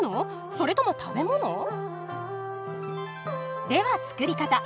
それとも食べ物？では作り方。